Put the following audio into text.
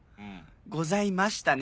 「ございましたね」